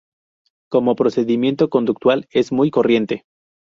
Como procedimiento conductual, es muy corriente.